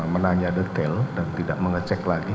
menanya detail dan tidak mengecek lagi